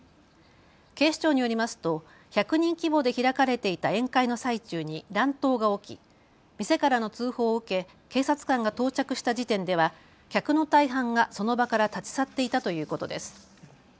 警視庁によりますと１００人規模で開かれていた宴会の最中に乱闘が起き店からの通報を受け警察官が到着した時点では客の大半がその場から立ち去っていたということです。